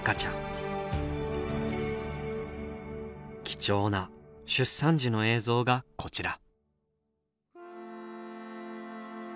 貴重な出産時の映像がこちら。